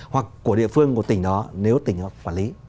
hoặc của địa phương của tỉnh đó nếu tỉnh họ quản lý